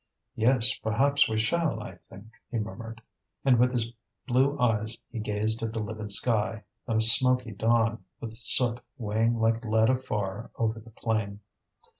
"Yes, perhaps we shall, I think," he murmured. And with his blue eyes he gazed at the livid sky, the smoky dawn, with soot weighing like lead afar over the plain.